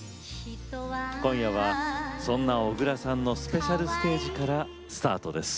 今夜はそんな小椋さんのスペシャルステージからスタートです。